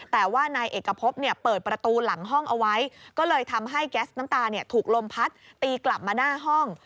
แต่ว่านายเอกพบเปิดประตูหลังห้องเอาไว้ก็เลยทำให้แก๊สน้ำตาถูกลมพัดตีกลับมาหน้าห้อง